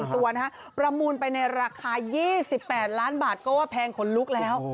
ตัวนะฮะประมูลไปในราคา๒๘ล้านบาทก็ว่าแพงขนลุกแล้ว